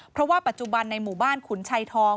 เพราะว่าปัจจุบันในหมู่บ้านขุนชัยทอง